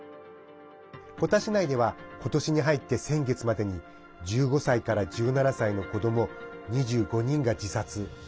コタ市内では今年に入って先月までに１５歳から１７歳の子ども２５人が自殺。